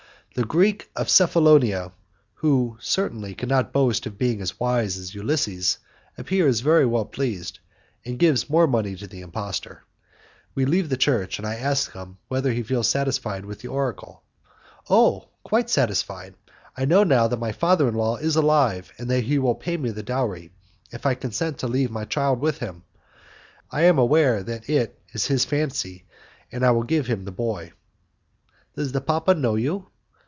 The Greek of Cephalonia, who certainly could not boast of being as wise as Ulysses, appears very well pleased, and gives more money to the impostor. We leave the church, and I ask him whether he feels satisfied with the oracle. "Oh! quite satisfied. I know now that my father in law is alive, and that he will pay me the dowry, if I consent to leave my child with him. I am aware that it is his fancy and I will give him the boy." "Does the papa know you?"